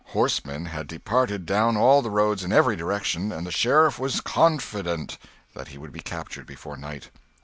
Horsemen had departed down all the roads in every direction, and the Sheriff "was confident" that he would be captured before night.